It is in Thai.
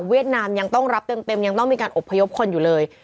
นามยังต้องรับเต็มยังต้องมีการอบพยพคนอยู่เลย